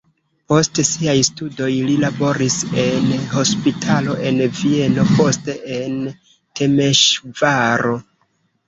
Post siaj studoj li laboris en hospitalo en Vieno, poste en Temeŝvaro.